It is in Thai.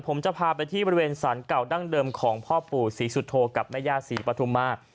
ผมจะพาไปที่บริเวณสารเก่าดั้งเดิมของพ่อปู่ศรีสุโธกับแม่ย่าศรีปฐุมา